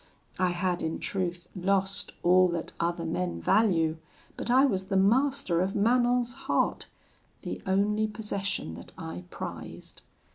I had in truth lost all that other men value; but I was the master of Manon's heart, the only possession that I prized.